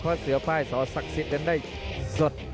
เพราะเสือป้ายสอศักดิ์สิทธิ์นั้นได้สด